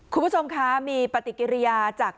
คุณผู้ชมคะมีปฏิกิริยาจาก